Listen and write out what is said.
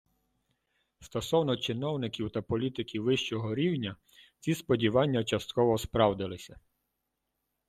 Стосовно чиновників та політиків вищого рівня, ці сподівання частково справдилися.